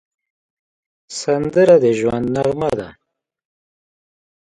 سندره د ژوند نغمه ده